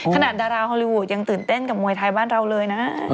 ขนาดดาราฮอลลีวูดยังตื่นเต้นกับมวยไทยบ้านเราเลยนะ